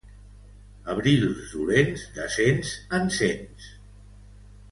Abrils dolents, de cents en cents.